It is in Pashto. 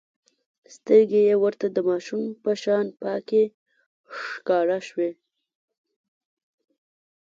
سترګې يې ورته د ماشوم په شان پاکې ښکاره شوې.